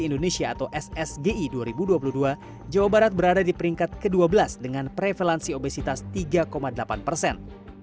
indonesia atau ssgi dua ribu dua puluh dua jawa barat berada di peringkat ke dua belas dengan prevalansi obesitas tiga delapan persen